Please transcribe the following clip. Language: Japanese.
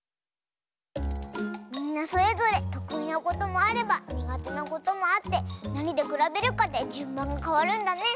みんなそれぞれとくいなこともあればにがてなこともあってなにでくらべるかでじゅんばんがかわるんだね。